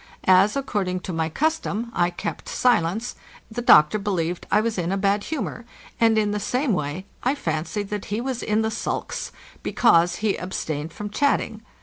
As, according to my custom, I! kept silence, the doctor believed that Iwas in a bad humor, and in the same way I fancied that he was in the sulks, because he abstained from chatting.